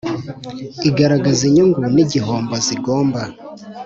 igaragaza inyungu n igihombo zigomba